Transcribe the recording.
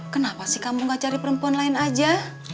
kenapa sih kamu gak cari perempuan lain aja